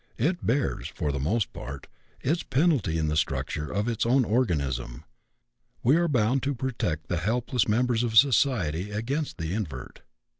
It bears, for the most part, its penalty in the structure of its own organism. We are bound to protect the helpless members of society against the invert.